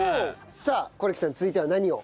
さあ是木さん続いては何を？